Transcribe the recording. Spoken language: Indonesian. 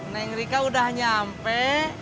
neng rika udah nyampe